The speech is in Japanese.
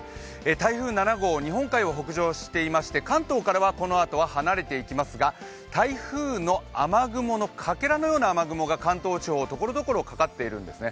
台風７号、日本海を北上していまして関東からはこのあと離れていきますが台風の雨雲のかけらのような雨雲が関東地方ところどころにかかっているんですね。